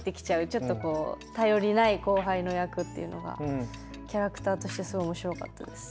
ちょっとこう頼りない後輩の役っていうのがキャラクターとしてすごい面白かったです。